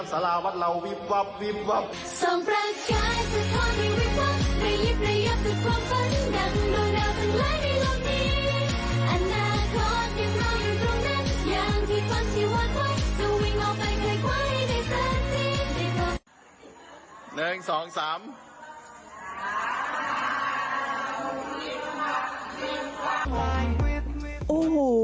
คนวิจารณ์นี้นะครับ